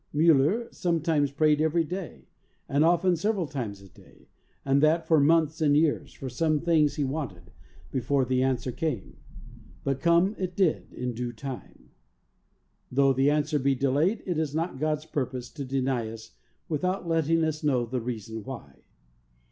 Miiller sometimes prayed every day, and often several times a day, and that for months and years, for some things he wanted, before the answer came, but come it did, in due time. Though the answer be delayed, it is not God's purpose to deny us without letting us know the reason why.